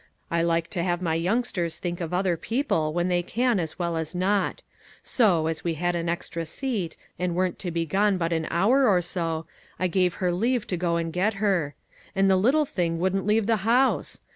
I like to have my youngsters think of other people when they can as well as not ; so, as we had an extra seat, and weren't to be gone but an hour or so, I gave her leave to go and get her. And the little thing wouldn't leave the house